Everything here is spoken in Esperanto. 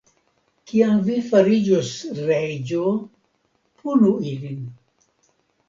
Kiam vi fariĝos reĝo, punu ilin.